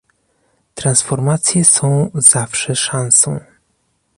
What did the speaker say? Transformacje są zawsze szansą